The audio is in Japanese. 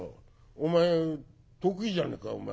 お前得意じゃねえか。